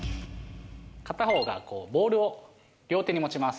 片方がボールを両手に持ちます。